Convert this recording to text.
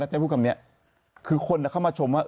ช่ายมาพูดคำนี้คือคนเขามาชมว่า